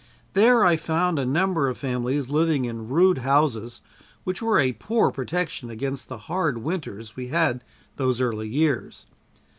There I found a number of families living in rude houses which were a poor protection against the hard winters we had those early years.